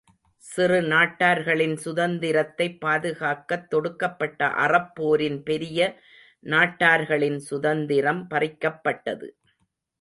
சிறு நாட்டார்களின் சுதந்திரத்தைப் பாதுகாக்கத் தொடுக்கப்பட்ட அறப் போரின் பெரிய நாட்டார்களின் சுதந்திரம் பறிக்கப்பட்டது.